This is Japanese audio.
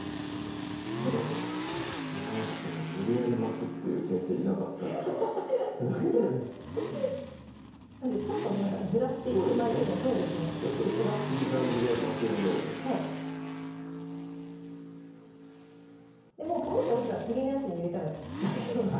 キュッキュッキュッと今までその無理やり巻くって言う先生いなかったんでなんでちょっとずらしていって巻いてもちょっといい感じで巻けるようにはいもうポロッと落ちたら次のやつに入れたら大丈夫です